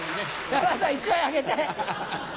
山田さん１枚あげて。